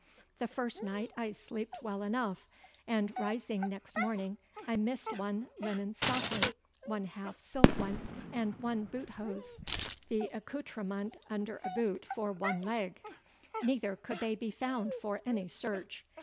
'The first night I sleepd well enough; and riseing nixt morning, I misd one linnen stockine, one halfe silke one, and one boothose, the accoustrement under a boote for one leg; neither could they be found for any search.